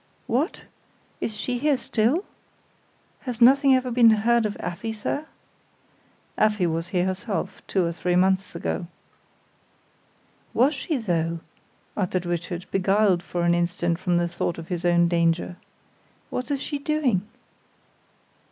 "What! Is she here still? Has anything ever been heard of Afy, sir?" "Afy was here herself two or three months ago." "Was she, though?" uttered Richard, beguiled for an instant from the thought of his own danger. "What is she doing?"